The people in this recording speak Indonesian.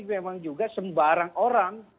memang juga sembarang orang